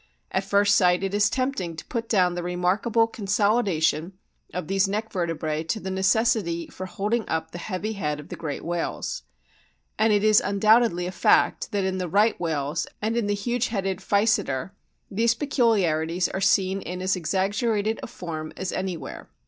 At first sight it is tempting to put down the remarkable consolidation of these 37 38 A BOOK OF 'WHALES neck vertebrae to the necessity for holding up the heavy head of the great whales. And it is un doubtedly a fact that in the Right whales and in the huge headed Physeter these peculiarities are seen in as exaggerated a form as anywhere.